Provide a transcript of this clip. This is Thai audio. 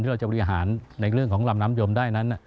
เราจะบริหารในเรื่องของลำน้ำยมได้นั้น